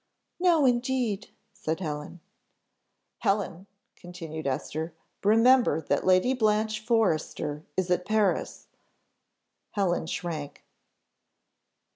"No, indeed," said Helen. "Helen!" continued Esther, "remember that Lady Blanche Forrester is at Paris." Helen shrank.